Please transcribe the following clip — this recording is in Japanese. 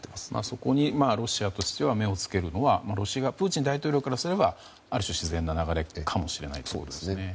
そこに、ロシアとして目をつけるのはプーチン大統領からすればある種、自然な流れかもしれないですね。